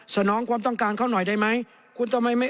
สนองความต้องการเขาหน่อยได้ไหม